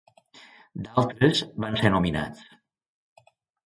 D'altres van ser nominats.